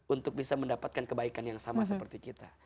untuk bisa mendapatkan kebaikan yang sama seperti kita